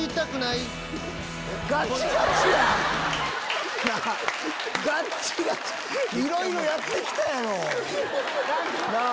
いろいろやって来たやろ。なぁ？